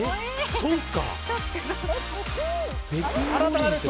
そうか！